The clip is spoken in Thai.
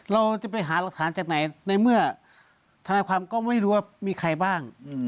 เราจะไปหารักฐานจากไหนในเมื่อธนายความก็ไม่รู้ว่ามีใครบ้าง